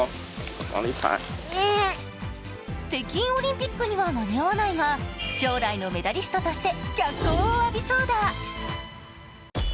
北京オリンピックには間に合わないが、将来のメダリストとして脚光を浴びそうだ。